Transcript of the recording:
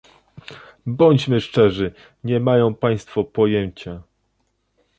Bądźmy szczerzy - nie mają państwo pojęcia